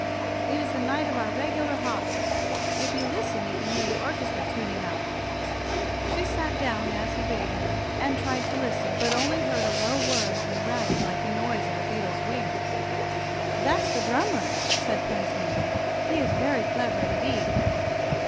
It is the night of our regular hop if you listen you can hear the orchestra tuning up." She sat down, as he bade her, and tried to listen, but only heard a low whirr and rattle like the noise of a beetle's wings. "That's the drummer," said Prince Nimble. "He is very clever, indeed."